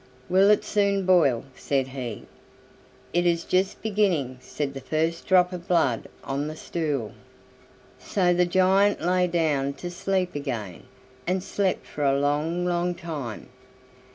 "Will it soon boil?" said he. "It is just beginning," said the first drop of blood on the stool. So the giant lay down to sleep again, and slept for a long, long time.